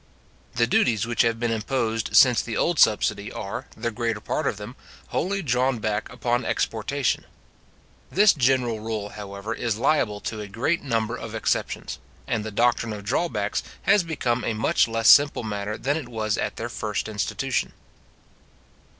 The duties which have been imposed since the old subsidy, are, the greater part of them, wholly drawn back upon exportation. This general rule, however, is liable to a great number of exceptions; and the doctrine of drawbacks has become a much less simple matter than it was at their first institution.